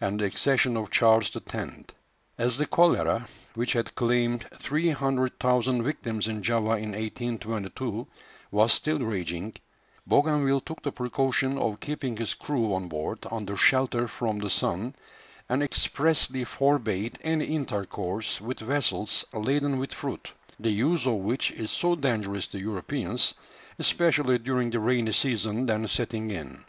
and the accession of Charles X. As the cholera, which had claimed 300,000 victims in Java in 1822, was still raging, Bougainville took the precaution of keeping his crew on board under shelter from the sun, and expressly forbade any intercourse with vessels laden with fruit, the use of which is so dangerous to Europeans, especially during the rainy season then setting in.